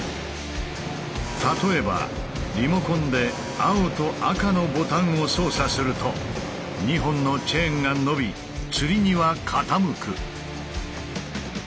例えばリモコンで青と赤のボタンを操作すると２本のチェーンがのびつり荷は傾く。